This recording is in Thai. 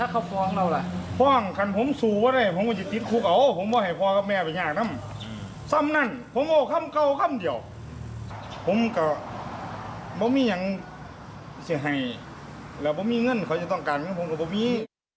ก็ไม่มีอย่างเสียหายแล้วไม่มีเงินเขาจะต้องการเงินของผมก็ไม่มี